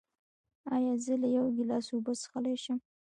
ایا زه له یو ګیلاس اوبه څښلی شم؟